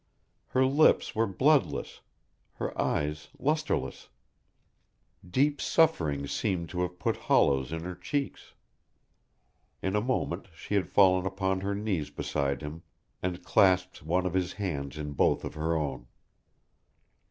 Her lips were bloodless, her eyes lusterless; deep suffering seemed to have put hollows in her cheeks. In a moment she had fallen upon her knees beside him and clasped one of his hands in both of her own.